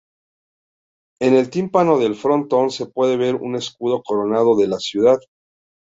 En el tímpano del frontón se puede ver un escudo coronado de la ciudad.